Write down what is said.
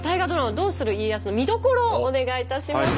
「どうする家康」の見どころをお願いいたします。